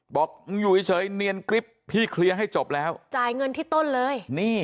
บอกมึงอยู่เฉยเนียนกริ๊บพี่เคลียร์ให้จบแล้วจ่ายเงินที่ต้นเลย